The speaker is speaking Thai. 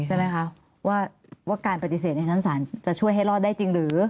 ใช่ไหมคะว่าการปฏิเสธในชั้นศาลจะช่วยให้รอดได้จริงหรือ